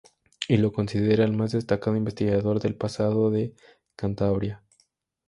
Y lo considera el más destacado investigador del pasado de Cantabria.